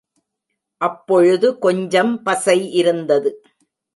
அப்பொழுது கொஞ்சம் பசை இருந்தது.